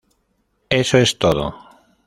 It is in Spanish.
Eso es todo".